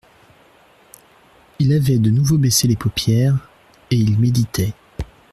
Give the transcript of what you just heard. Il avait de nouveau baissé les paupières, et il méditait.